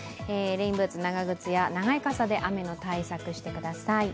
レインブーツ、長靴や長い傘で雨の対策をしてください。